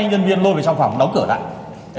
nhiều nhân viên lôi vào trong phòng đóng cửa lại